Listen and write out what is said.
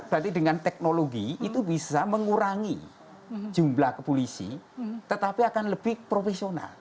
jadi polisi itu bisa mengurangi jumlah kepolisi tetapi akan lebih profesional